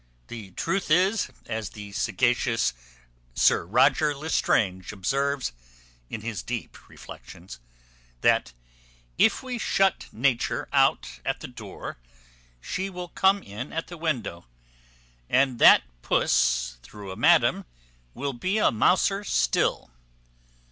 The truth is, as the sagacious Sir Roger L'Estrange observes, in his deep reflections, that, "if we shut Nature out at the door, she will come in at the window; and that puss, though a madam, will be a mouser still."